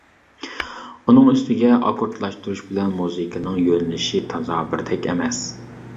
ئۇنىڭ ئۈستىگە ئاككوردلاشتۇرۇش بىلەن مۇزىكىنىڭ يۆنىلىشى تازا بىردەك ئەمەس.